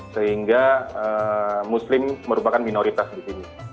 sehingga muslim merupakan minoritas di sini